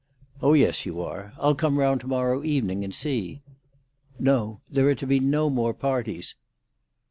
"Oh yes, you are. I'll come round to morrow evening and see." "No. There are to be no more parties."